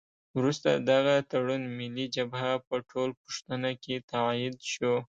وروسته دغه تړون ملي جبهه په ټولپوښتنه کې تایید شو.